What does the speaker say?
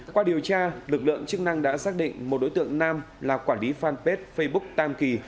qua điều tra lực lượng chức năng đã xác định một đối tượng nam là quản lý fanpage facebook tam kỳ